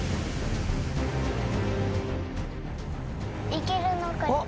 いけるのかな？